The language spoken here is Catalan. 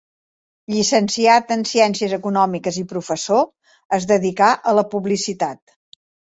Llicenciat en ciències econòmiques i professor, es dedicà a la publicitat.